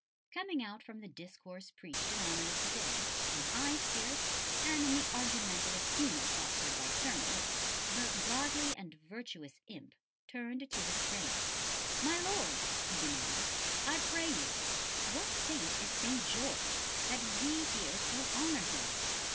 Coming out from the discourse preached in honour of the day, in high spirits and in the argumentative humour fostered by sermons, the "godly and virtuous imp" turned to his train. "My Lords," he demanded, "I pray you, what saint is St. George, that we here so honour him?"